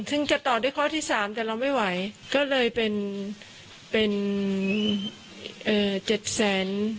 ซึ่งจะต่อด้วยคอร์สที่สามแต่เราไม่ไหวก็เลยเป็นเจ็ดแสนสามหมื่นหกพันทั้งหมดค่ารักษา